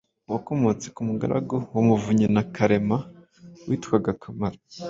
Wakomotse ku mugaragu wa Muvunyi wa Karema witwaga Kamara,